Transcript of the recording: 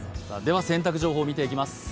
洗濯情報を見ていきます。